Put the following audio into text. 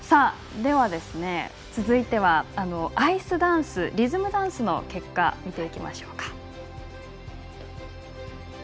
では、続いてアイスダンスリズムダンスの結果見ていきましょう。